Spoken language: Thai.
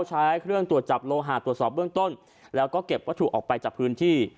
ใช้เครื่องตรวจจับโลหะตรวจสอบเบื้องต้นแล้วก็เก็บวัตถุออกไปจากพื้นที่